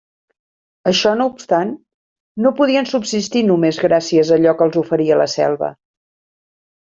Això no obstant, no podien subsistir només gràcies a allò que els oferia la selva.